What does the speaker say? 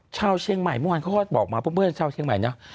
ชาวเชียงใหม่เมื่อวานเขาก็บอกมาเพื่อนชาวเชียงใหม่เนอะ